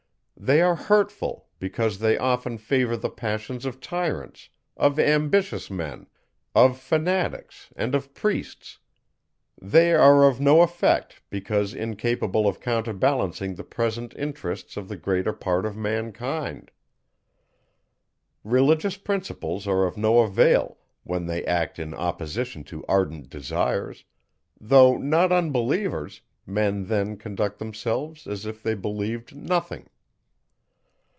They are hurtful, because they often favour the passions of tyrants, of ambitious men, of fanatics, and of priests; they are of no effect, because incapable of counter balancing the present interests of the greater part of mankind. Religious principles are of no avail, when they act in opposition to ardent desires; though not unbelievers, men then conduct themselves as if they believed nothing.